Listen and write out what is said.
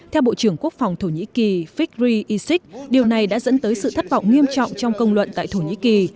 theo bộ trưởng quốc phòng thổ nhĩ kỳ fikry ishik điều này đã dẫn tới sự thất vọng nghiêm trọng trong công luận tại thổ nhĩ kỳ